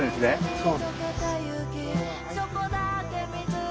そう。